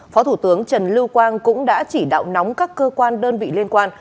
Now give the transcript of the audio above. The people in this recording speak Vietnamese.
phó thủ tướng trần lưu quang cũng đã chỉ đạo nóng các cơ quan đơn vị liên quan